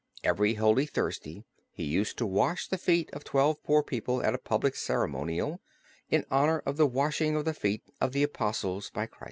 Every Holy Thursday he used to wash the feet of twelve poor people at a public ceremonial, in honor of the washing of the feet of the Apostles by Christ.